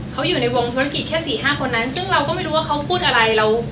เขาอยู่ในวงธุรกิจแค่สี่ห้าคนนั้นซึ่งเราก็ไม่รู้ว่าเขาพูดอะไร